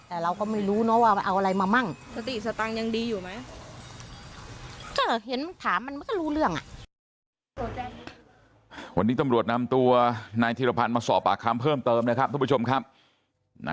แต่เราก็ไม่รู้เนาะว่าเอาอะไรมามั่ง